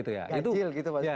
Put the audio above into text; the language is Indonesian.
gajil gitu maksudnya